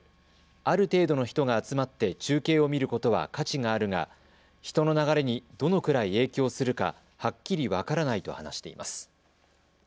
ある程度の人が集まって中継を見ることは価値があるが人の流れにどのくらい影響するかはっきり分からないと話しています。